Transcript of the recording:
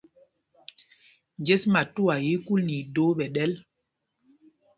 Njes matuá í í kúl nɛ idōō ɓɛ ɗɛ́l.